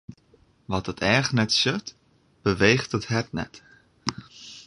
Wat it each net sjocht, beweecht it hert net.